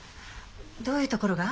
どういうところが？